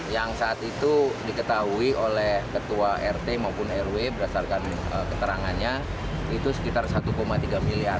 yang saat itu diketahui oleh ketua rt maupun rw berdasarkan keterangannya itu sekitar satu tiga miliar